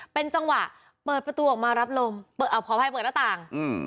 เป็นจังหวะเปิดประตูออกมารับลมขออภัยเปิดหน้าต่างอืม